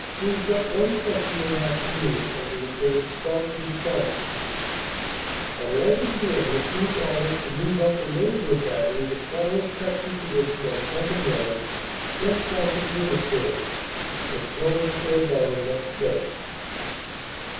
Moved up one section in afternoon under Lieut. Stubbs and Simonds. At 1 1 p.m. received orders to move up remainder of Battery to forward section position on sunken road just south of Haynecourt for show before dawn next day.